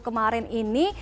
sabtu kemarin ini